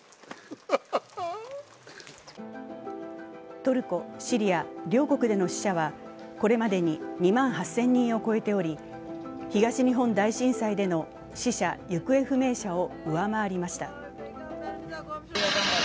トルコ・シリア両国での死者はこれまでに２万８０００人を超えており東日本大震災での死者、行方不明者を上回りました。